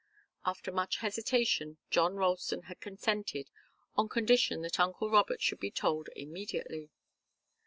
After much hesitation John Ralston had consented, on condition that uncle Robert should be told immediately.